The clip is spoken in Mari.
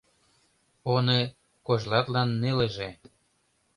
Оны кожлатлан нелыже.